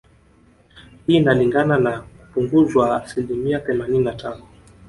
Hii inalingana na kupunguzwa asilimia themanini na tano